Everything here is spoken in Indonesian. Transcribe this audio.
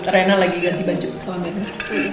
reina lagi ganti baju sama medha